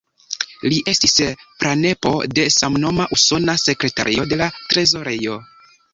Li estis pranepo de samnoma Usona Sekretario de la Trezorejo.